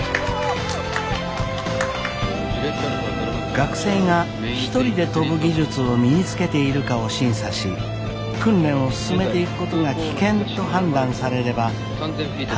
学生が一人で飛ぶ技術を身につけているかを審査し訓練を進めていくことが危険と判断されれば退学となってしまいます。